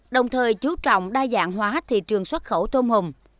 đồng thời chú trọng đa dạng hóa thị trường xuất khẩu tôm hùm